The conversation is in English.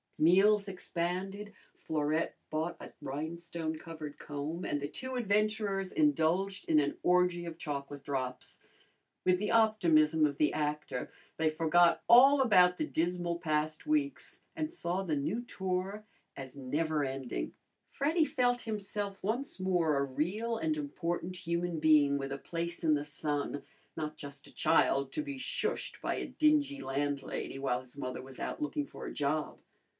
Meals expanded, Florette bought a rhinestone covered comb, and the two adventurers indulged in an orgy of chocolate drops. With the optimism of the actor, they forgot all about the dismal past weeks, and saw the new tour as never ending. Freddy felt himself once more a real and important human being with a place in the sun, not just a child to be shushed by a dingy landlady while his mother was out looking for a job.